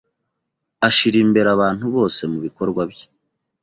Ashira imbere abantu bose mubikorwa bye.